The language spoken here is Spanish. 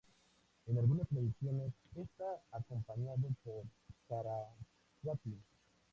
En algunas tradiciones, está acompañado por Saraswati.